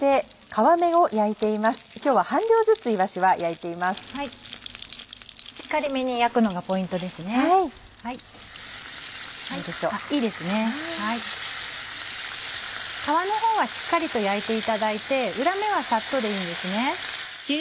皮のほうはしっかりと焼いていただいて裏面はさっとでいいんですね。